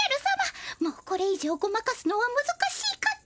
もうこれい上ごまかすのはむずかしいかと。